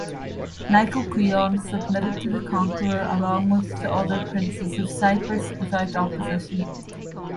Nicocreon submitted to the conqueror along with the other princes of Cyprus, without opposition.